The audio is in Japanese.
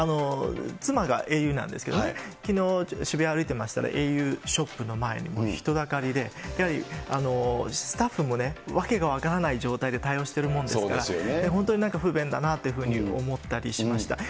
妻がａｕなんですけれども、きのう、渋谷歩いていましたら、ａｕショップの前に人だかりで、やはりスタッフもね、訳が分からない状態で対応しているものですから、本当になんか不便だなというふうに思ったりしました。